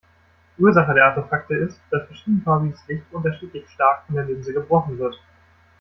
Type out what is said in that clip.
Ursache der Artefakte ist, dass verschiedenfarbiges Licht unterschiedlich stark von der Linse gebrochen wird.